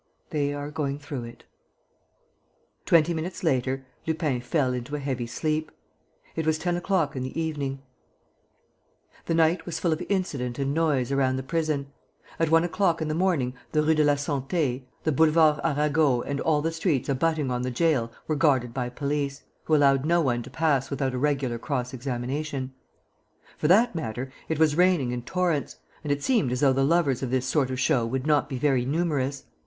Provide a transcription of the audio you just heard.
"They are going through it." Twenty minutes later Lupin fell into a heavy sleep. It was ten o'clock in the evening. The night was full of incident and noise around the prison. At one o'clock in the morning the Rue de la Santé, the Boulevard Arago and all the streets abutting on the gaol were guarded by police, who allowed no one to pass without a regular cross examination. For that matter, it was raining in torrents; and it seemed as though the lovers of this sort of show would not be very numerous.